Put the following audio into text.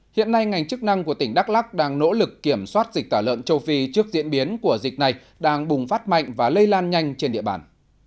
hiện nay ngành chức năng của tỉnh đắk lắc đang nỗ lực kiểm soát dịch tả lợn châu phi trước diễn biến của dịch này đang bùng phát mạnh và lây lan nhanh trên địa bàn